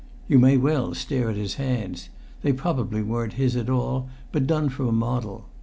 You may well stare at his hands; they probably weren't his at all, but done from a model.